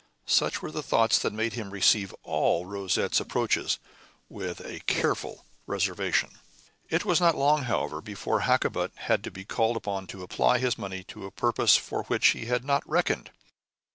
Such were the thoughts that made him receive all Rosette's approaches with a careful reservation. It was not long, however, before Hakkabut was to be called upon to apply his money to a purpose for which he had not reckoned.